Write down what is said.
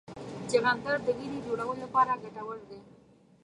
چغندر د وینې جوړولو لپاره ګټور دی.